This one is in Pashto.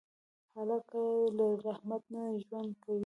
هلک له رحمت نه ژوند کوي.